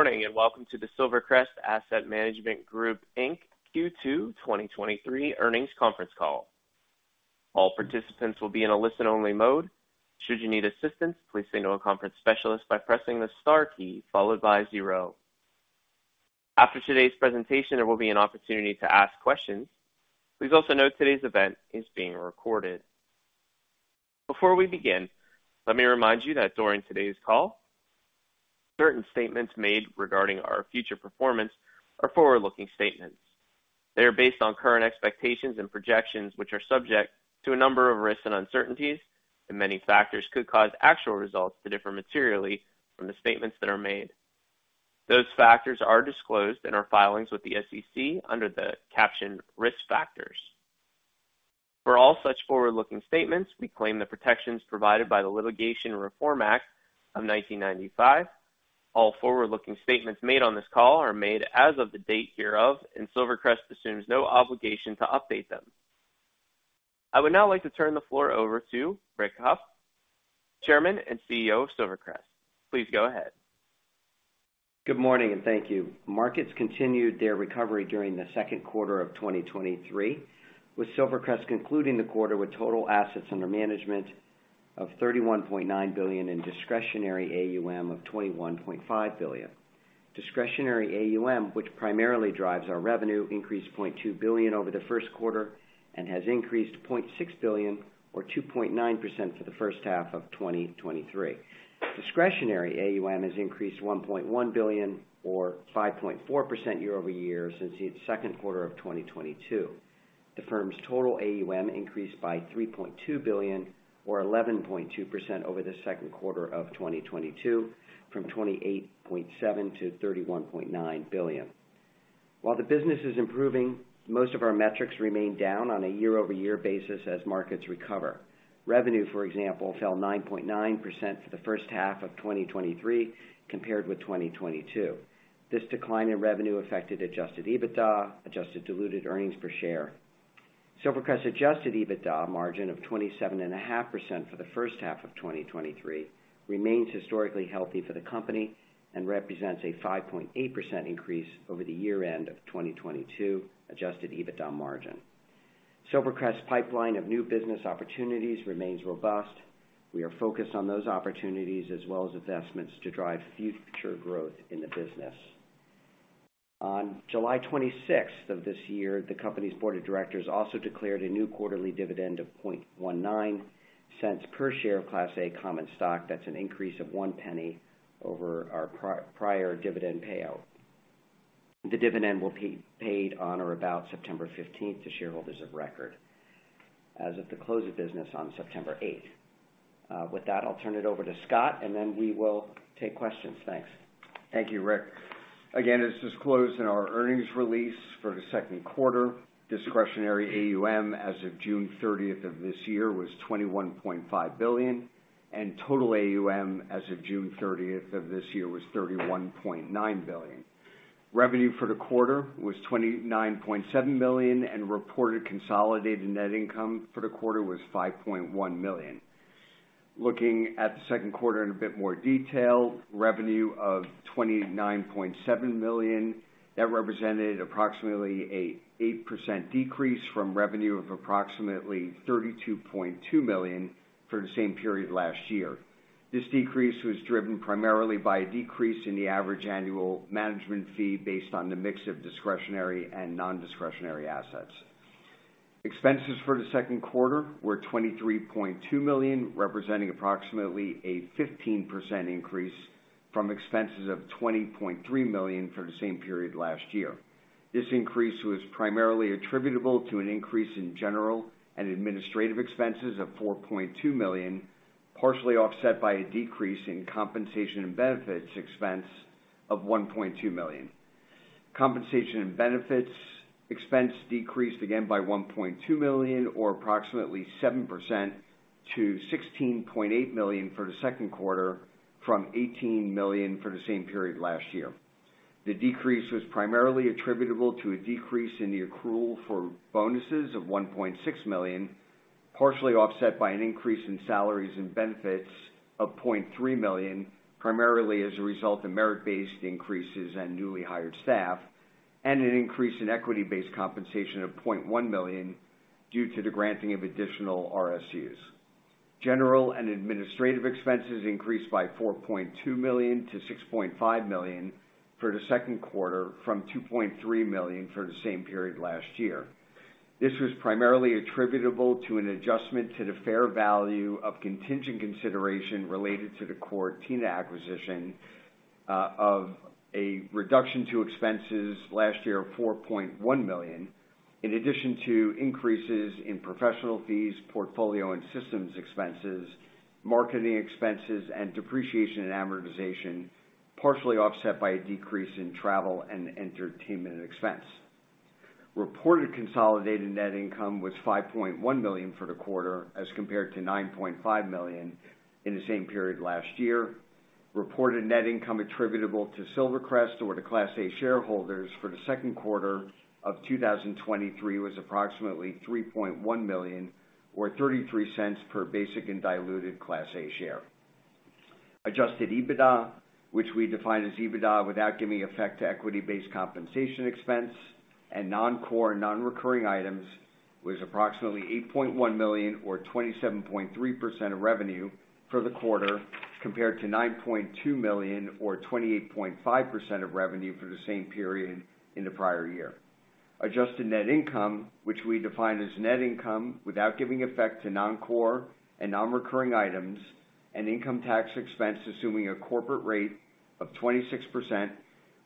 Good morning, welcome to the Silvercrest Asset Management Group Inc. Q2 2023 earnings conference call. All participants will be in a listen-only mode. Should you need assistance, please signal a conference specialist by pressing the star key followed by zero. After today's presentation, there will be an opportunity to ask questions. Please also note today's event is being recorded. Before we begin, let me remind you that during today's call, certain statements made regarding our future performance are forward-looking statements. They are based on current expectations and projections, which are subject to a number of risks and uncertainties. Many factors could cause actual results to differ materially from the statements that are made. Those factors are disclosed in our filings with the SEC under the caption Risk Factors. For all such forward-looking statements, we claim the protections provided by the Litigation Reform Act of 1995. All forward-looking statements made on this call are made as of the date hereof. Silvercrest assumes no obligation to update them. I would now like to turn the floor over to Rick Hough, Chairman and CEO of Silvercrest. Please go ahead. Good morning. Thank you. Markets continued their recovery during the second quarter of 2023, with Silvercrest concluding the quarter with total assets under management of $31.9 billion in discretionary AUM of $21.5 billion. Discretionary AUM, which primarily drives our revenue, increased $0.2 billion over the first quarter and has increased $0.6 billion or 2.9% for the first half of 2023. Discretionary AUM has increased $1.1 billion or 5.4% year-over-year since the second quarter of 2022. The firm's total AUM increased by $3.2 billion or 11.2% over the second quarter of 2022, from $28.7-31.9 billion. While the business is improving, most of our metrics remain down on a year-over-year basis as markets recover. Revenue, for example, fell 9.9% for the first half of 2023 compared with 2022. This decline in revenue affected adjusted EBITDA, adjusted diluted earnings per share. Silvercrest adjusted EBITDA margin of 27.5% for the first half of 2023, remains historically healthy for the company and represents a 5.8% increase over the year-end of 2022, adjusted EBITDA margin. Silvercrest's pipeline of new business opportunities remains robust. We are focused on those opportunities as well as investments to drive future growth in the business. On July 26th of this year, the company's board of directors also declared a new quarterly dividend of $0.19 per share of Class A common stock. That's an increase of $0.01 over our prior dividend payout. The dividend will be paid on or about September 15th to shareholders of record as of the close of business on September 8th. With that, I'll turn it over to Scott, and then we will take questions. Thanks. Thank you, Rick. Again, as disclosed in our earnings release for the second quarter, discretionary AUM as of June 30th of this year was $21.5 billion. Total AUM as of June 30th of this year was $31.9 billion. Revenue for the quarter was $29.7 million. Reported consolidated net income for the quarter was $5.1 million. Looking at the second quarter in a bit more detail, revenue of $29.7 million, that represented approximately a 8% decrease from revenue of approximately $32.2 million for the same period last year. This decrease was driven primarily by a decrease in the average annual management fee based on the mix of discretionary and non-discretionary assets. Expenses for the second quarter were $23.2 million, representing approximately a 15% increase from expenses of $20.3 million for the same period last year. This increase was primarily attributable to an increase in general and administrative expenses of $4.2 million, partially offset by a decrease in compensation and benefits expense of $1.2 million. Compensation and benefits expense decreased again by $1.2 million, or approximately 7% to $16.8 million for the second quarter, from $18 million for the same period last year. The decrease was primarily attributable to a decrease in the accrual for bonuses of $1.6 million, partially offset by an increase in salaries and benefits of $0.3 million, primarily as a result of merit-based increases and newly hired staff, and an increase in equity-based compensation of $0.1 million due to the granting of additional RSUs. General and administrative expenses increased by $4.2-6.5 million for the second quarter, from $2.3 million for the same period last year. This was primarily attributable to an adjustment to the fair value of contingent consideration related to the Cortina acquisition, of a reduction to expenses last year of $4.1 million, in addition to increases in professional fees, portfolio and systems expenses, marketing expenses, and depreciation and amortization, partially offset by a decrease in travel and entertainment expense. Reported consolidated net income was $5.1 million for the quarter, as compared to $9.5 million in the same period last year. Reported net income attributable to Silvercrest or to Class A shareholders for the second quarter of 2023 was approximately $3.1 million, or $0.33 per basic and diluted Class A share. Adjusted EBITDA, which we define as EBITDA without giving effect to equity-based compensation expense and non-core non-recurring items, was approximately $8.1 million, or 27.3% of revenue for the quarter, compared to $9.2 million, or 28.5% of revenue for the same period in the prior year. Adjusted net income, which we define as net income without giving effect to non-core and non-recurring items and income tax expense, assuming a corporate rate of 26%,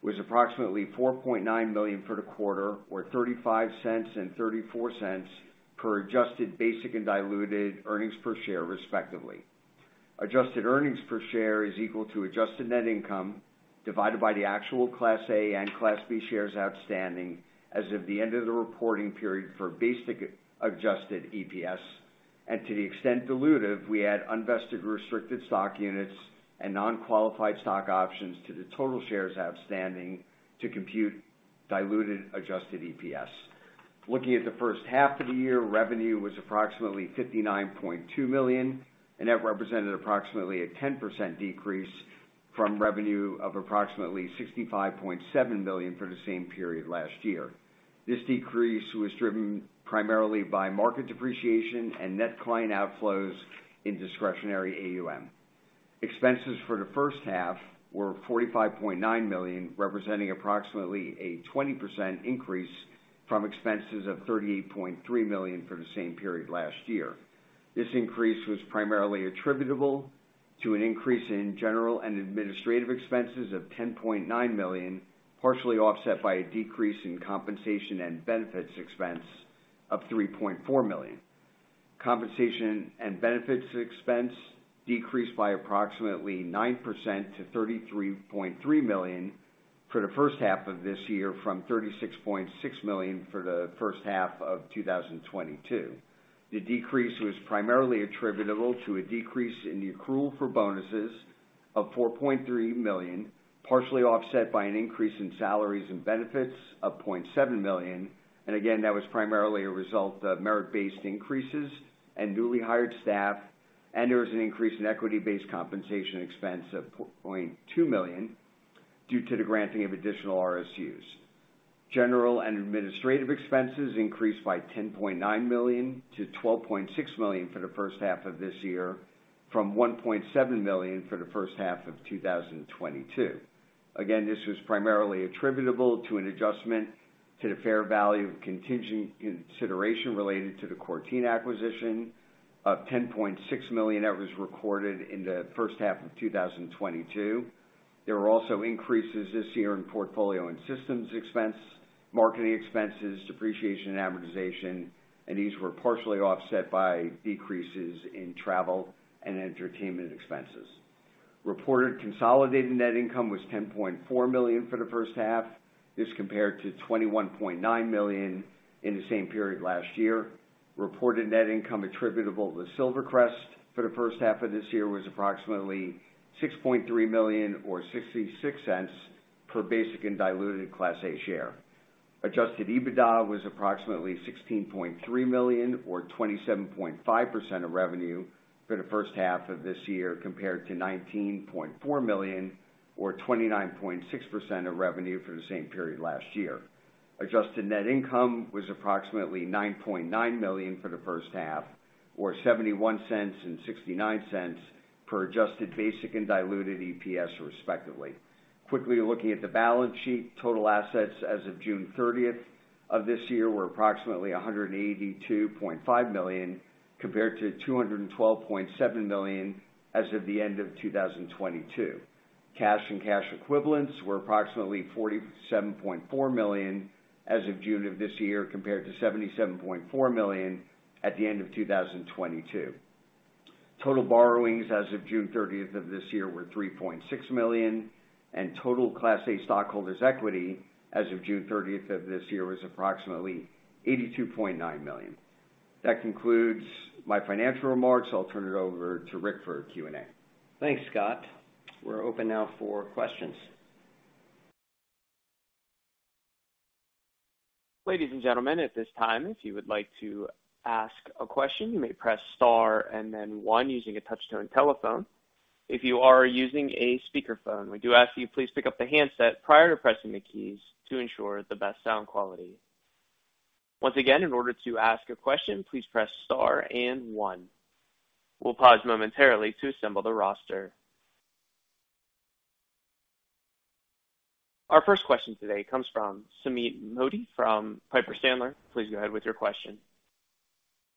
was approximately $4.9 million for the quarter, or $0.35 and $0.34 per adjusted basic and diluted earnings per share, respectively. Adjusted earnings per share is equal to adjusted net income divided by the actual Class A and Class B shares outstanding as of the end of the reporting period for basic adjusted EPS. To the extent dilutive, we add unvested Restricted Stock Units and non-qualified stock options to the total shares outstanding to compute diluted adjusted EPS. Looking at the first half of the year, revenue was approximately $59.2 million, and that represented approximately a 10% decrease from revenue of approximately $65.7 million for the same period last year. This decrease was driven primarily by market depreciation and net client outflows in discretionary AUM. Expenses for the first half were $45.9 million, representing approximately a 20% increase from expenses of $38.3 million for the same period last year. This increase was primarily attributable to an increase in general and administrative expenses of $10.9 million, partially offset by a decrease in compensation and benefits expense of $3.4 million. Compensation and benefits expense decreased by approximately 9% to $33.3 million for the first half of this year, from $36.6 million for the first half of 2022. The decrease was primarily attributable to a decrease in the accrual for bonuses of $4.3 million, partially offset by an increase in salaries and benefits of $0.7 million. Again, that was primarily a result of merit-based increases and newly hired staff, and there was an increase in equity-based compensation expense of $4.2 million due to the granting of additional RSUs. General and administrative expenses increased by $10.9-12.6 million for the first half of this year, from $1.7 million for the first half of 2022. Again, this was primarily attributable to an adjustment to the fair value of contingent consideration related to the Cortina acquisition of $10.6 million that was recorded in the first half of 2022. There were also increases this year in portfolio and systems expense, marketing expenses, depreciation, and amortization, and these were partially offset by decreases in travel and entertainment expenses. Reported consolidated net income was $10.4 million for the first half. This compared to $21.9 million in the same period last year. Reported net income attributable to Silvercrest for the first half of this year was approximately $6.3 million, or $0.66 per basic and diluted Class A share. Adjusted EBITDA was approximately $16.3 million, or 27.5% of revenue for the first half of this year, compared to $19.4 million, or 29.6% of revenue for the same period last year. Adjusted net income was approximately $9.9 million for the first half, or $0.71 and $0.69 per adjusted basic and diluted EPS, respectively. Quickly looking at the balance sheet. Total assets as of June 30th of this year were approximately $182.5 million, compared to $212.7 million as of the end of 2022. Cash and cash equivalents were approximately $47.4 million as of June of this year, compared to $77.4 million at the end of 2022. Total borrowings as of June 30th of this year were $3.6 million. Total Class A stockholders' equity as of June 30th of this year was approximately $82.9 million. That concludes my financial remarks. I'll turn it over to Rick for Q&A. Thanks, Scott. We're open now for questions. Ladies and gentlemen, at this time, if you would like to ask a question, you may press star and then one using a touch-tone telephone. If you are using a speakerphone, we do ask you please pick up the handset prior to pressing the keys to ensure the best sound quality. Once again, in order to ask a question, please press star and one. We'll pause momentarily to assemble the roster. Our first question today comes from Sumeet Mody from Piper Sandler. Please go ahead with your question.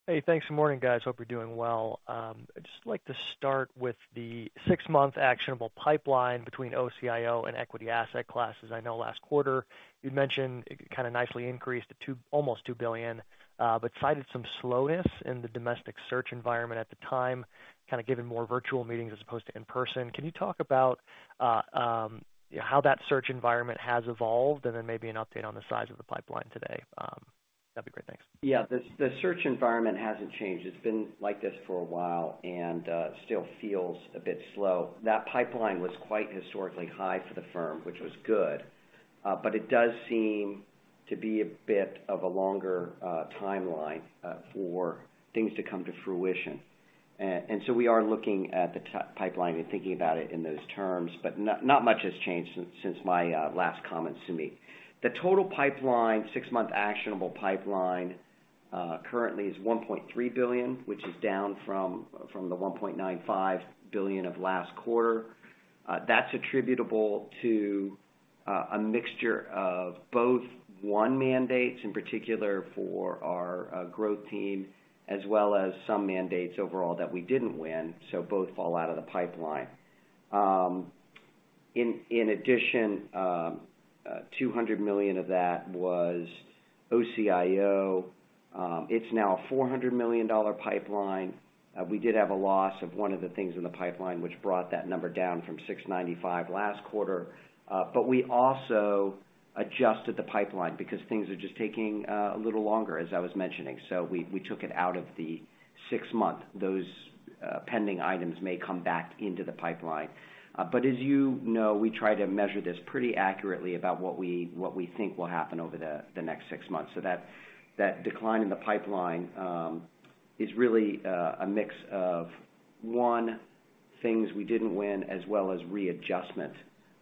Hey, thanks. Good morning, guys. Hope you're doing well. I'd just like to start with the six-month actionable pipeline between OCIO and equity asset classes. I know last quarter you'd mentioned it kind of nicely increased to 2- almost $2 billion, but cited some slowness in the domestic search environment at the time, kind of given more virtual meetings as opposed to in-person. Can you talk about how that search environment has evolved and then maybe an update on the size of the pipeline today? That'd be great. Thanks. Yeah, the, the search environment hasn't changed. It's been like this for a while and still feels a bit slow. That pipeline was quite historically high for the firm, which was good, but it does seem...... to be a bit of a longer timeline for things to come to fruition. We are looking at the pipeline and thinking about it in those terms, but not, not much has changed since my last comments to me. The total pipeline, six-month actionable pipeline, currently is $1.3 billion, which is down from the $1.95 billion of last quarter. That's attributable to a mixture of both won mandates, in particular for our growth team, as well as some mandates overall that we didn't win, so both fall out of the pipeline. In addition, $200 million of that was OCIO. It's now a $400 million pipeline. We did have a loss of one of the things in the pipeline, which brought that number down from 695 last quarter. We also adjusted the pipeline because things are just taking a little longer, as I was mentioning. We, we took it out of the 6 month. Those pending items may come back into the pipeline. As you know, we try to measure this pretty accurately about what we, what we think will happen over the next 6 months. That, that decline in the pipeline is really a mix of, 1, things we didn't win, as well as readjustment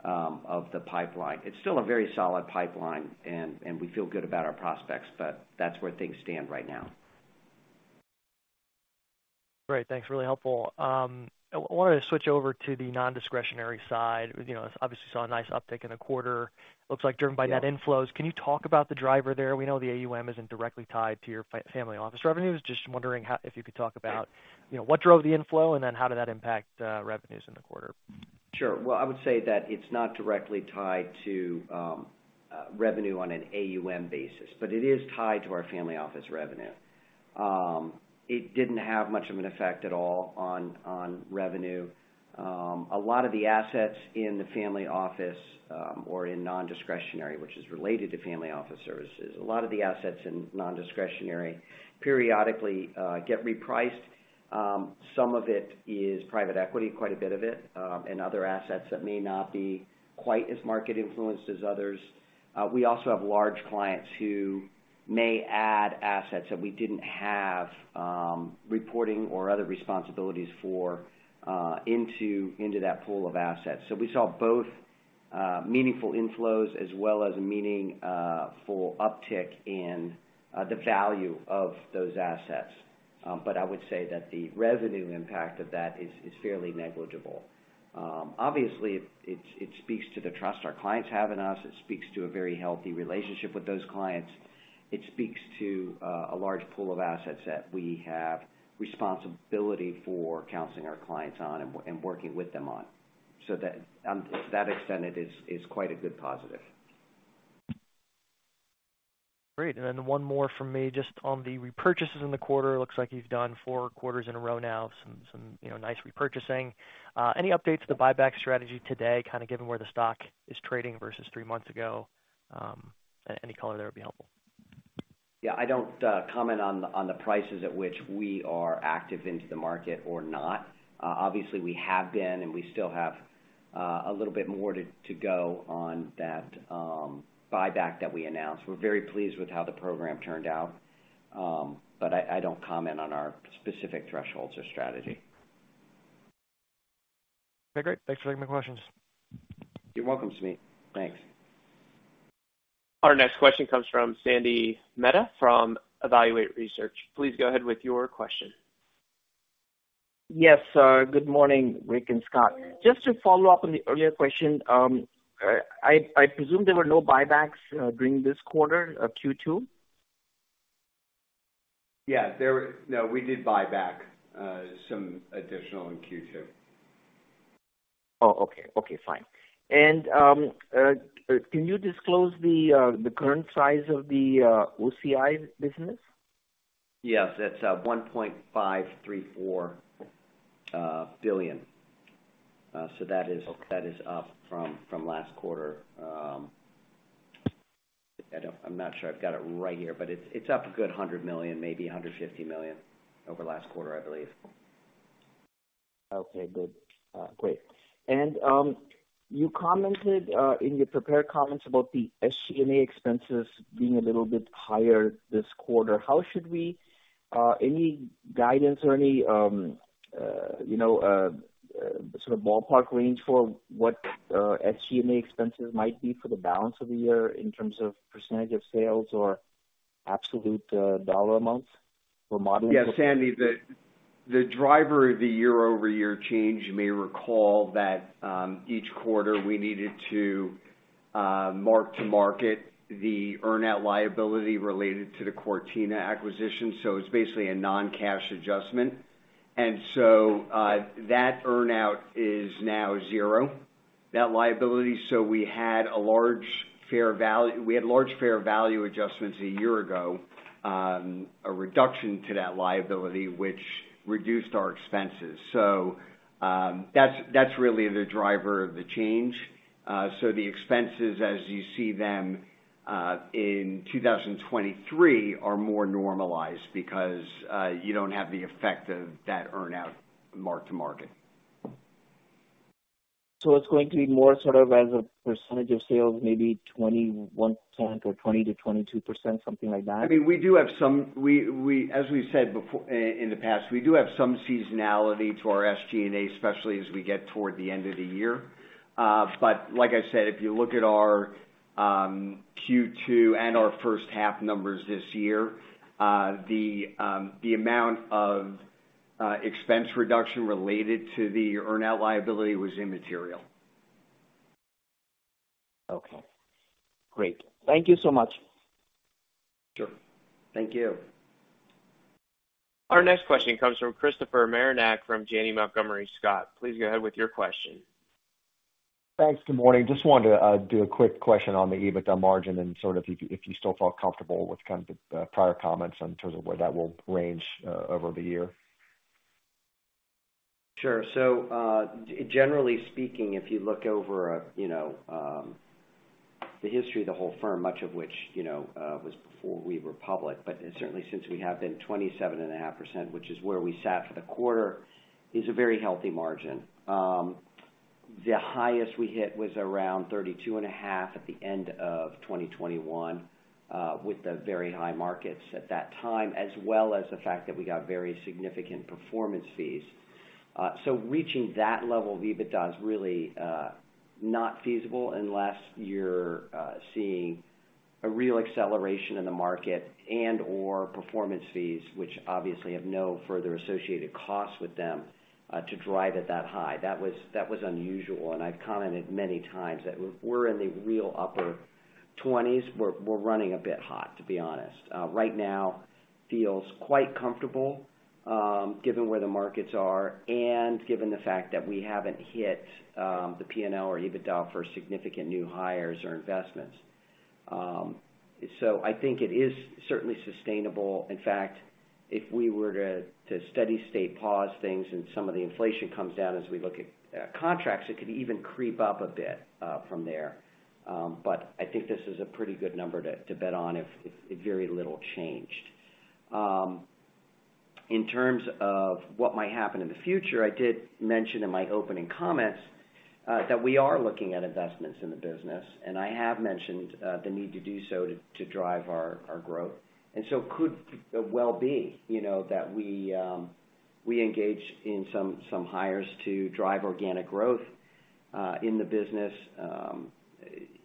of the pipeline. It's still a very solid pipeline, and, and we feel good about our prospects, but that's where things stand right now. Great, thanks. Really helpful. I wanted to switch over to the non-discretionary side. You know, obviously, saw a nice uptick in the quarter. Looks like driven by net inflows. Can you talk about the driver there? We know the AUM isn't directly tied to your family office revenues. Just wondering if you could talk about, you know, what drove the inflow, and then how did that impact revenues in the quarter? Sure. Well, I would say that it's not directly tied to revenue on an AUM basis, but it is tied to our family office revenue. It didn't have much of an effect at all on revenue. A lot of the assets in the family office, or in non-discretionary, which is related to family office services, a lot of the assets in non-discretionary periodically get repriced. Some of it is private equity, quite a bit of it, and other assets that may not be quite as market influenced as others. We also have large clients who may add assets that we didn't have reporting or other responsibilities for into that pool of assets. We saw both meaningful inflows as well as a meaningful uptick in the value of those assets. I would say that the revenue impact of that is fairly negligible. Obviously, it speaks to the trust our clients have in us. It speaks to a very healthy relationship with those clients. It speaks to a large pool of assets that we have responsibility for counseling our clients on and working with them on. To that, to that extent, it is quite a good positive. Great. One more from me, just on the repurchases in the quarter. It looks like you've done 4 quarters in a row now, some, you know, nice repurchasing. Any updates to the buyback strategy today, kind of given where the stock is trading versus 3 months ago? Any color there would be helpful. Yeah, I don't comment on the, on the prices at which we are active into the market or not. Obviously, we have been, and we still have a little bit more to, to go on that buyback that we announced. We're very pleased with how the program turned out, but I, I don't comment on our specific thresholds or strategy. Okay, great. Thanks for taking my questions. You're welcome, Sumeet. Thanks. Our next question comes from Sandy Mehta, from Evaluate Research. Please go ahead with your question. Yes, good morning, Rick and Scott. Just to follow up on the earlier question, I, I presume there were no buybacks during this quarter, Q2? Yeah, there. No, we did buy back some additional in Q2. Oh, okay. Okay, fine. Can you disclose the current size of the OCIO business? Yes, that's $1.534 billion. Okay. that is up from, from last quarter. I don't-- I'm not sure I've got it right here, but it's up a good $100 million, maybe $150 million over last quarter, I believe. Okay, good. great. You commented, in your prepared comments about the SG&A expenses being a little bit higher this quarter. How should we... Any guidance or any, you know, sort of ballpark range for what SG&A expenses might be for the balance of the year in terms of percentage of sales or absolute dollar amounts for modeling? Yeah, Sandy, the, the driver of the year-over-year change, you may recall that, each quarter, we needed to, mark-to-market the earn-out liability related to the Cortina acquisition, so it's basically a non-cash adjustment. That earn-out is now zero, that liability. We had large fair value adjustments a year ago, a reduction to that liability, which reduced our expenses. That's, that's really the driver of the change. The expenses, as you see them, in 2023, are more normalized because, you don't have the effect of that earn-out mark-to-market. It's going to be more sort of as a percentage of sales, maybe 21 point or 20%-22%, something like that? I mean, we, as we've said before, in the past, we do have some seasonality to our SG&A, especially as we get toward the end of the year. Like I said, if you look at our, Q2 and our first half numbers this year, the amount of expense reduction related to the earn-out liability was immaterial. Okay, great. Thank you so much. Sure. Thank you. Our next question comes from Christopher Marinac, from Janney Montgomery Scott. Please go ahead with your question. Thanks. Good morning. Just wanted to do a quick question on the EBITDA margin and sort of if you, if you still felt comfortable with kind of the prior comments in terms of where that will range over the year? Sure. Generally speaking, if you look over, you know, the history of the whole firm, much of which, you know, was before we were public, but certainly since we have been 27.5%, which is where we sat for the quarter, is a very healthy margin. The highest we hit was around 32.5 at the end of 2021, with the very high markets at that time, as well as the fact that we got very significant performance fees. Reaching that level of EBITDA is really not feasible unless you're seeing a real acceleration in the market and/or performance fees, which obviously have no further associated costs with them, to drive it that high. That was, that was unusual, and I've commented many times that if we're in the real upper twenties, we're, we're running a bit hot, to be honest. Right now feels quite comfortable, given where the markets are and given the fact that we haven't hit the P&L or EBITDA for significant new hires or investments. I think it is certainly sustainable. In fact, if we were to, to steady state pause things and some of the inflation comes down as we look at contracts, it could even creep up a bit from there. I think this is a pretty good number to, to bet on if, if very little changed. In terms of what might happen in the future, I did mention in my opening comments that we are looking at investments in the business, and I have mentioned the need to do so to, to drive our, our growth. Could well be, you know, that we engage in some, some hires to drive organic growth in the business.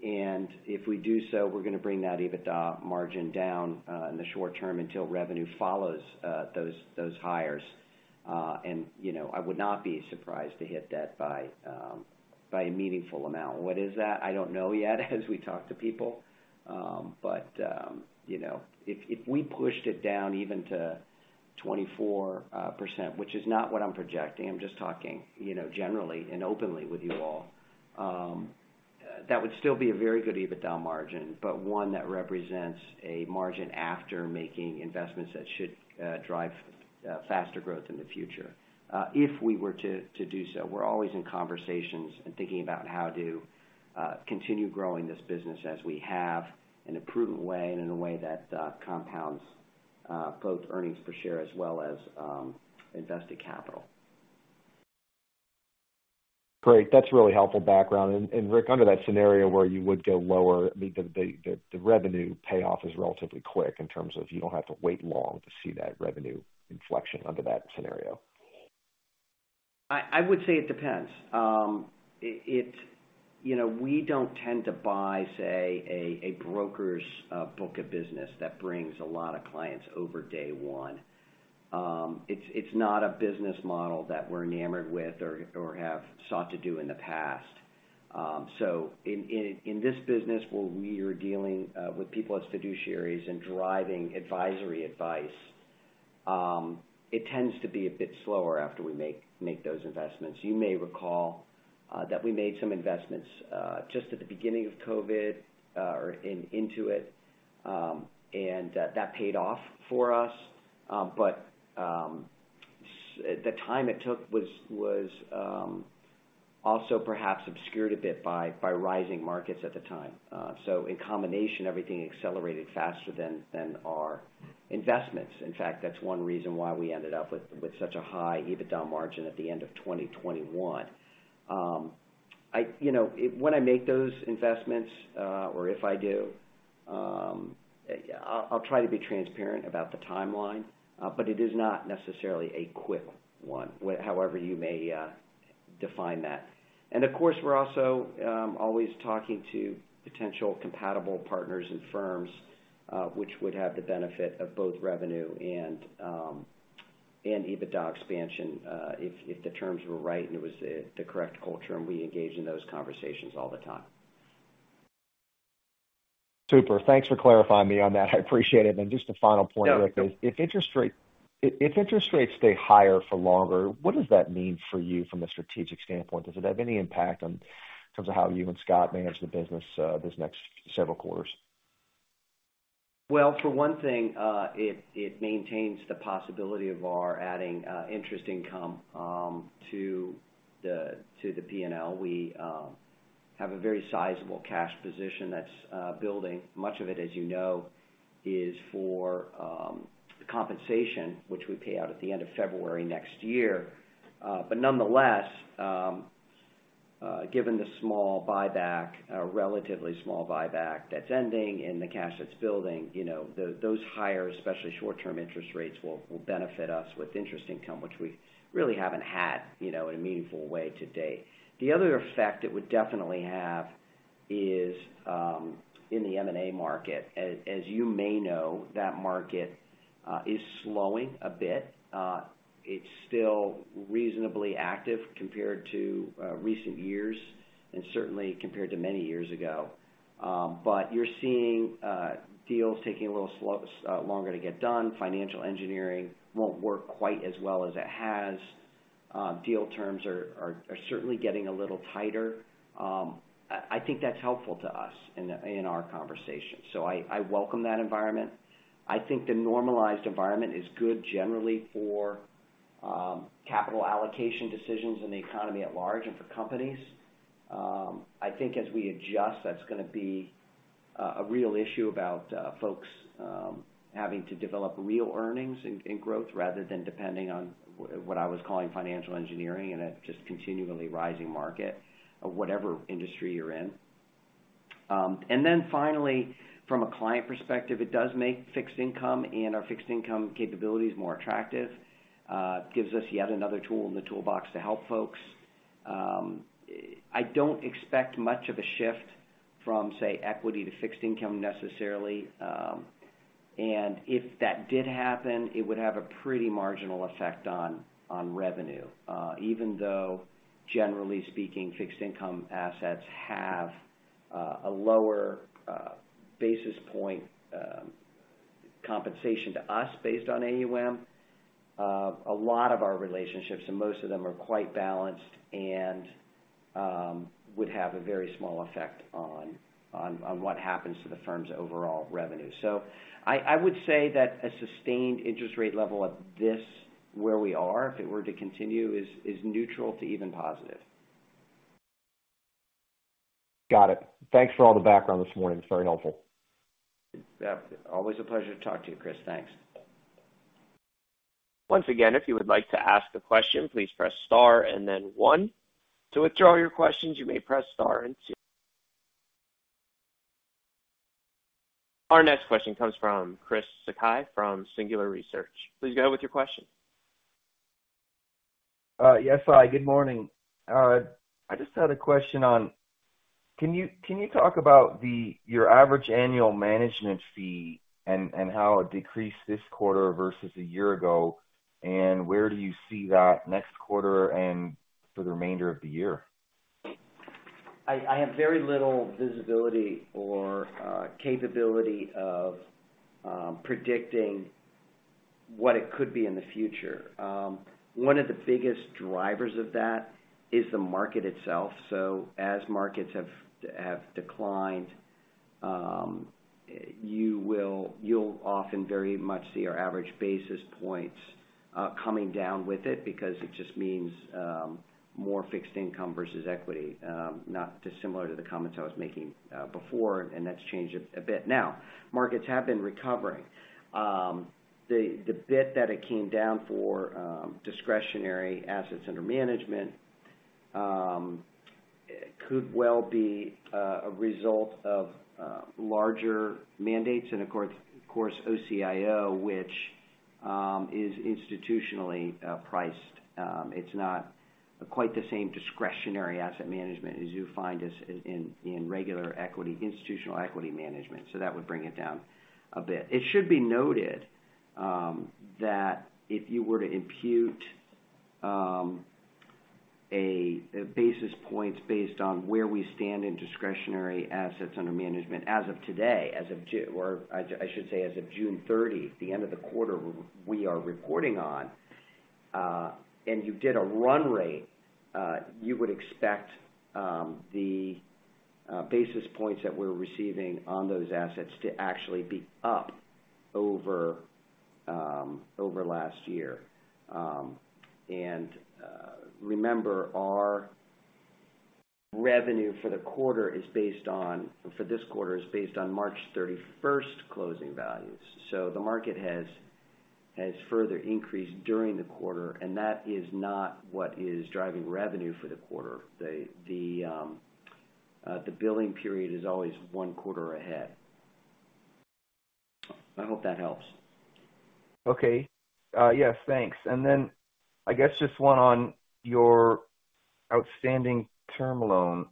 If we do so, we're gonna bring that EBITDA margin down in the short term, until revenue follows those, those hires. You know, I would not be surprised to hit that by a meaningful amount. What is that? I don't know yet, as we talk to people. You know, if, if we pushed it down even to 24%, which is not what I'm projecting, I'm just talking, you know, generally and openly with you all, that would still be a very good EBITDA margin, but one that represents a margin after making investments that should drive faster growth in the future, if we were to do so. We're always in conversations and thinking about how to continue growing this business as we have, in a prudent way and in a way that compounds both earnings per share as well as invested capital. Great. That's really helpful background. Rick, under that scenario where you would go lower, the revenue payoff is relatively quick in terms of you don't have to wait long to see that revenue inflection under that scenario. I, I would say it depends. You know, we don't tend to buy, say, a, a broker's book of business that brings a lot of clients over day one. It's not a business model that we're enamored with or, or have sought to do in the past. In this business, where we are dealing with people as fiduciaries and driving advisory advice, it tends to be a bit slower after we make, make those investments. You may recall, that we made some investments, just at the beginning of COVID, or into it, and that paid off for us. The time it took was also perhaps obscured a bit by rising markets at the time. In combination, everything accelerated faster than, than our investments. In fact, that's one reason why we ended up with, with such a high EBITDA margin at the end of 2021. I-- you know, when I make those investments, or if I do, I'll, I'll try to be transparent about the timeline, but it is not necessarily a quick one, however you may define that. Of course, we're also always talking to potential compatible partners and firms, which would have the benefit of both revenue and EBITDA expansion, if, if the terms were right and it was the, the correct culture, and we engage in those conversations all the time. Super. Thanks for clarifying me on that. I appreciate it. Just a final point, Rick. Yeah. If interest rates stay higher for longer, what does that mean for you from a strategic standpoint? Does it have any impact on, in terms of how you and Scott manage the business, this next several quarters? Well, for one thing, it, it maintains the possibility of our adding interest income to the, to the P&L. We have a very sizable cash position that's building. Much of it, as you know, is for compensation, which we pay out at the end of February next year. Nonetheless, given the small buyback, a relatively small buyback that's ending, and the cash that's building, you know, those higher, especially short-term interest rates, will, will benefit us with interest income, which we really haven't had, you know, in a meaningful way to date. The other effect it would definitely have is in the M&A market. As, as you may know, that market is slowing a bit. It's still reasonably active compared to recent years, and certainly compared to many years ago. You're seeing deals taking a little longer to get done. Financial engineering won't work quite as well as it has. Deal terms are certainly getting a little tighter. I think that's helpful to us in our conversations, so I welcome that environment. I think the normalized environment is good generally for capital allocation decisions in the economy at large and for companies. I think as we adjust, that's gonna be a real issue about folks having to develop real earnings and growth, rather than depending on what I was calling financial engineering, and a just continually rising market of whatever industry you're in. Then finally, from a client perspective, it does make fixed income and our fixed income capabilities more attractive. It gives us yet another tool in the toolbox to help folks. I don't expect much of a shift from, say, equity to fixed income necessarily. If that did happen, it would have a pretty marginal effect on revenue. Even though, generally speaking, fixed income assets have a lower basis point compensation to us based on AUM, a lot of our relationships, and most of them are quite balanced and would have a very small effect on what happens to the firm's overall revenue. I would say that a sustained interest rate level at this, where we are, if it were to continue, is neutral to even positive. Got it. Thanks for all the background this morning. It's very helpful. Yeah. Always a pleasure to talk to you, Chris. Thanks. Once again, if you would like to ask a question, please press star and then 1. To withdraw your questions, you may press star and 2. Our next question comes from Chris Sakai from Singular Research. Please go ahead with your question. Yes, hi, good morning. I just had a question on. Can you, can you talk about the, your average annual management fee and, and how it decreased this quarter versus a year ago? Where do you see that next quarter and for the remainder of the year? I, I have very little visibility or capability of predicting what it could be in the future. One of the biggest drivers of that is the market itself. As markets have declined, you will- you'll often very much see our average basis points coming down with it, because it just means more fixed income versus equity. Not dissimilar to the comments I was making before, and that's changed a bit. Now, markets have been recovering. The bit that it came down for discretionary assets under management could well be a result of larger mandates, and of course, OCIO, which is institutionally priced. It's not quite the same discretionary asset management as you find as, in, in regular equity, institutional equity management, so that would bring it down a bit. It should be noted that if you were to impute a, a basis points based on where we stand in discretionary assets under management as of today, as of I, I should say, as of June 30th, the end of the quarter we are reporting on, and you did a run rate, you would expect the basis points that we're receiving on those assets to actually be up over over last year. Remember, our revenue for the quarter is based on, for this quarter, is based on March 31st closing values. The market has, has further increased during the quarter, and that is not what is driving revenue for the quarter. The, the, the billing period is always one quarter ahead. I hope that helps. Okay. Yes, thanks. I guess just one on your outstanding term loan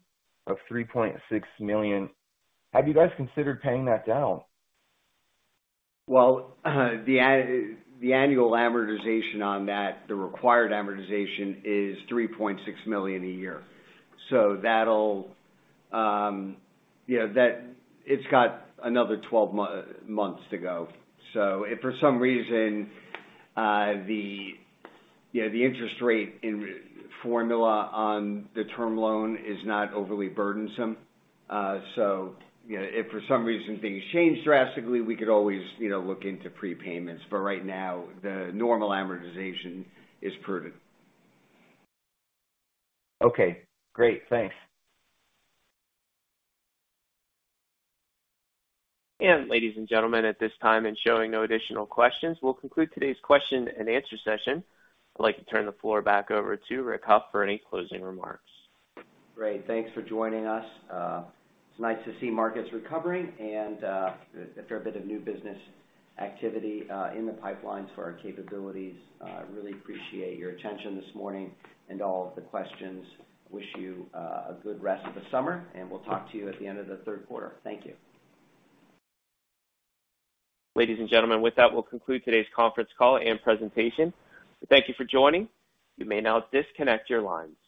of $3.6 million. Have you guys considered paying that down? Well, the annual amortization on that, the required amortization, is $3.6 million a year. It's got another 12 months to go. If for some reason, the, you know, the interest rate in formula on the term loan is not overly burdensome, you know, if for some reason things change drastically, we could always, you know, look into prepayments. Right now, the normal amortization is prudent. Okay, great. Thanks. Ladies and gentlemen, at this time, and showing no additional questions, we'll conclude today's question-and-answer session. I'd like to turn the floor back over to Rick Hough for any closing remarks. Great. Thanks for joining us. It's nice to see markets recovering and a fair bit of new business activity in the pipeline for our capabilities. I really appreciate your attention this morning and all of the questions. Wish you a good rest of the summer, and we'll talk to you at the end of the third quarter. Thank you. Ladies and gentlemen, with that, we'll conclude today's conference call and presentation. Thank you for joining. You may now disconnect your lines.